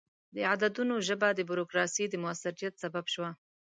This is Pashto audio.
د عددونو ژبه د بروکراسي د موثریت سبب شوه.